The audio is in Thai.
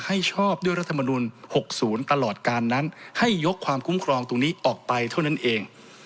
ชอบด้วยรัฐมนุน๖๐ตลอดการนั้นให้ยกความคุ้มครองตรงนี้ออกไปเท่านั้นเอง